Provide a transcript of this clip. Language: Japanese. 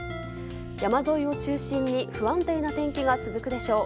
山沿いを中心に不安定な天気が続くでしょう。